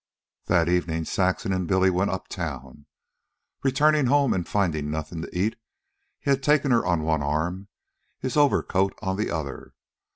That evening Saxon and Billy went up town. Returning home and finding nothing to eat, he had taken her on one arm, his overcoat on the other.